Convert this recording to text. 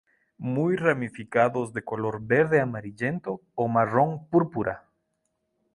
Muy ramificados de color verde amarillento o marrón púrpura.